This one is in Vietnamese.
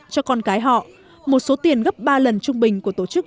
cho con cái họ một số tiền gấp ba lần trung bình